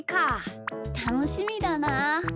たのしみだなあ。